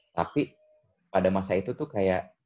tapi pada masa itu tuh kayak